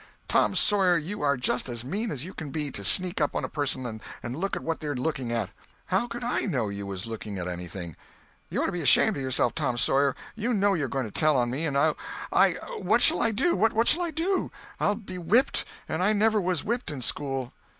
"Tom Sawyer, you are just as mean as you can be, to sneak up on a person and look at what they're looking at." "How could I know you was looking at anything?" "You ought to be ashamed of yourself, Tom Sawyer; you know you're going to tell on me, and oh, what shall I do, what shall I do! I'll be whipped, and I never was whipped in school."